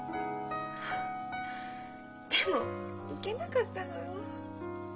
でも行けなかったのよ。